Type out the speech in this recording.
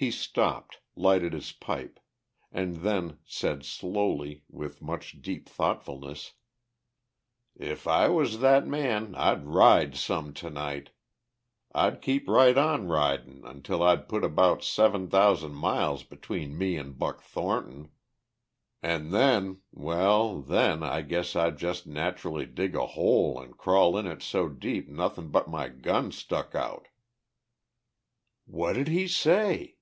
He stopped, lighted his pipe, and then said slowly, with much deep thoughtfulness, "If I was that man I'd ride some tonight! I'd keep right on ridin' until I'd put about seven thousand miles between me an' Buck Thornton. An' then ... well, then, I guess I'd jest naturally dig a hole an' crawl in it so deep nothin' but my gun stuck out!" "What did he say?"